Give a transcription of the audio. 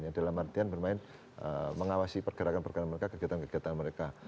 dalam artian bermain mengawasi pergerakan pergerakan mereka kegiatan kegiatan mereka